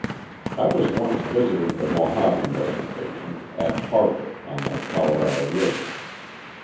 ] I was once visiting the Mohave reservation, at Parker, on the Colorado River.